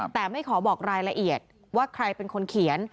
แต่ไม่ขอบอกรายละเอียดว่าใครเป็นคนเขียน